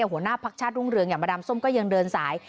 หัวหน้าพักชาติรุ่งเรืองอย่างมาดามส้มก็ยังเดินสาย